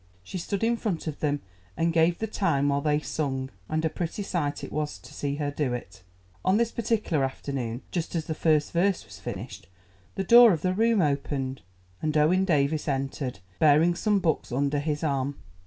She stood in front of them and gave the time while they sung, and a pretty sight it was to see her do it. On this particular afternoon, just as the first verse was finished, the door of the room opened, and Owen Davies entered, bearing some books under his arm.